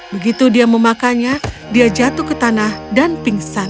begitu dia memakannya dia jatuh ke tanah dan pingsan